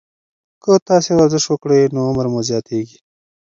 که تاسي ورزش وکړئ، نو عمر مو زیاتیږي.